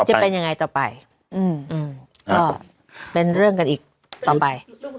จะเป็นยังไงต่อไปก็เป็นเรื่องกันอีกต่อไป